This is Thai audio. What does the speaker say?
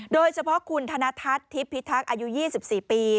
โดยเฉพาะคุณธนทัศน์ทิพพิทักษ์อายุ๒๔ปี